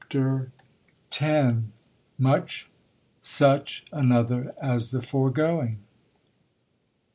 Ch. X. — Much such another as the foregoing.